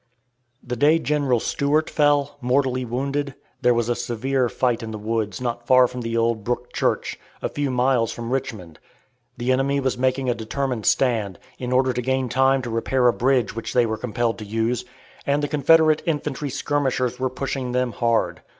The day General Stuart fell, mortally wounded, there was a severe fight in the woods not far from the old Brook Church, a few miles from Richmond; the enemy was making a determined stand, in order to gain time to repair a bridge which they were compelled to use, and the Confederate infantry skirmishers were pushing them hard.